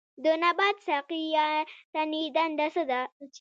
د نبات ساقې یا تنې دنده څه ده